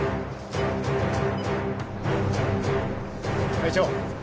会長。